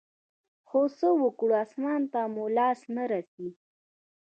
خو څه وكړو اسمان ته مو لاس نه رسي.